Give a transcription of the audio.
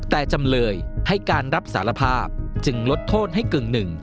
แต่จำเลยให้การรับสารภาพจึงลดโทษให้กึ่งหนึ่ง